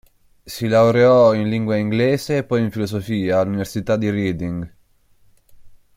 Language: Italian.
Si laureò in lingua inglese e poi in filosofia all'Università di Reading.